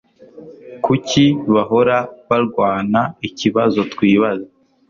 Kuki bahora barwanaikibazo twibaza